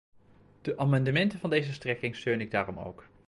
De amendementen van deze strekking steun ik daarom ook.